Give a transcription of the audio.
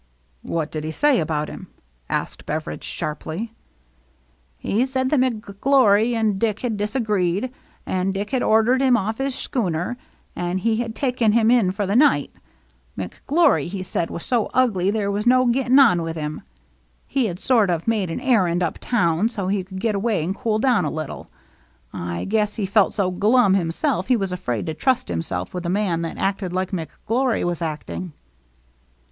" What did he say about him ?" asked Beveridge sharply. " He said that McGlory and Dick had dis agreed, and Dick had ordered him off his schooner, and he had taken him in for the THE EVENING OF THE SAME DAY 223 night. McGlory, he said, was so ugly there was no getting on with him. He had sort of made an errand up town so he could get away and cool down a little. I guess he felt so glum himself he was afraid to trust himself with a man that acted like McGlory was acting."